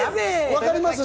わかります？